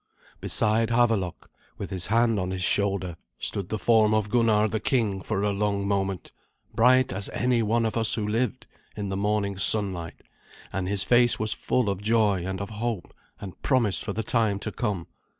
beside Havelok, with his hand on his shoulder, stood the form of Gunnar the king for a long moment, bright as any one of us who lived, in the morning sunlight, and his face was full of joy and of hope and promise for the time to come.